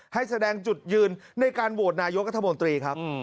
ให้แสดงจุดยืนในการโหวตนายกัธมนตรีครับ